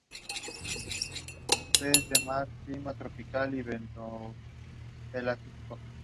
La avalancha de acciones judiciales le obligaron a restaurar el "status quo".